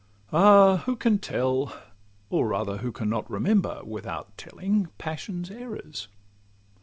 Ah! who can tell? Or rather, who can not Remember, without telling, passion's errors?